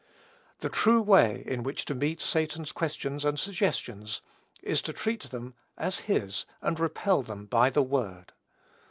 The true way in which to meet Satan's questions and suggestions, is to treat them as his, and repel them by the word.